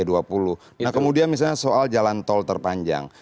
nah kemudian misalnya soal jalan tol terpanjang